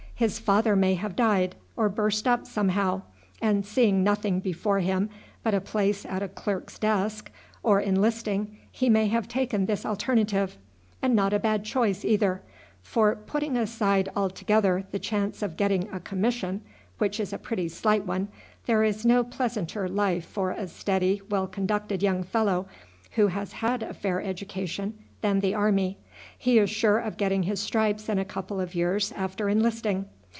"His father may have died or burst up somehow, and seeing nothing before him but a place at a clerk's desk or enlisting he may have taken this alternative; and not a bad choice either. For, putting aside altogether the chance of getting a commission, which is a pretty slight one, there is no pleasanter life for a steady, well conducted young fellow who has had a fair education than the army. He is sure of getting his stripes in a couple of years after enlisting.